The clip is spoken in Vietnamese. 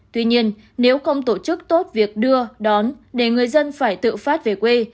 tuy nhiên nếu không tổ chức tốt việc đưa đón để người dân phải tự phát về quê